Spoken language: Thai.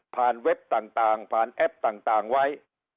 เว็บต่างผ่านแอปต่างไว้